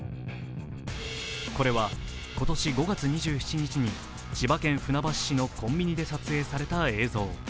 これは今年５月２７日に千葉県船橋市のコンビニで撮影された映像。